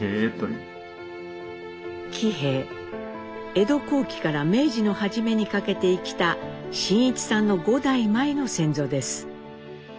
江戸後期から明治の初めにかけて生きた真一さんの５代前の先祖です。